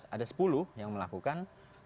ada sepuluh yang melakukan